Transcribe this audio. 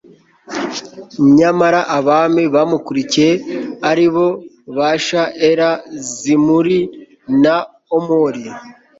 nyamara abami bamukurikiye ari bo Basha Ela Zimuri na Omuri